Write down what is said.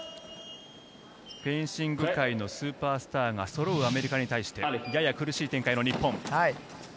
フェンシング界のスーパースターがそろうアメリカに対してやや苦しい展開の日本。